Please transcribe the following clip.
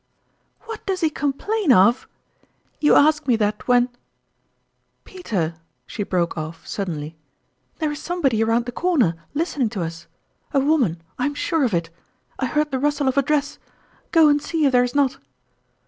" WJiat does he complain off You ask me that, when Peter," she broke off suddenly, " there is somebody round the corner listening to us a woman, I'm sure of it. I heard the rustle of a dress. ... Go and see if there is not!"